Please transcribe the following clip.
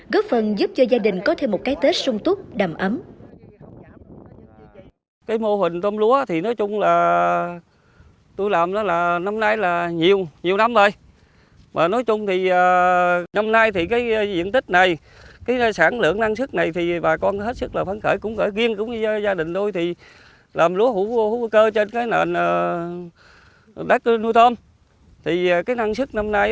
góp phần giúp cho gia đình có thêm một cái tết sung túc đầm ấm